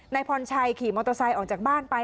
พรชัยขี่มอเตอร์ไซค์ออกจากบ้านไป